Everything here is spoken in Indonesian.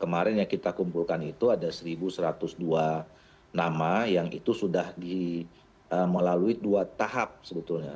kemarin yang kita kumpulkan itu ada satu satu ratus dua nama yang itu sudah melalui dua tahap sebetulnya